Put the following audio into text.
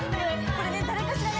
これね誰かしらね